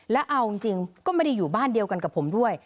แล้วเอาจริงก็ไม่ได้อยู่บ้านเดียวกันกับผมด้วย